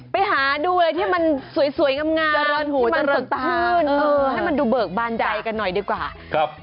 ไปหาดูเลยที่มันสวยงามงามที่มันสดขึ้นให้มันดูเบิกบานใจกันหน่อยดีกว่า